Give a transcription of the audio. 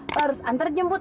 lo harus antar jemput